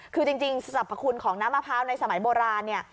คือจริงสรรพคุณของน้ำมะพร้าวในสมัยโบราณเนี่ย